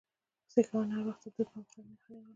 سیکهانو هر وخت د ده د پرمختګ مخه نیوله.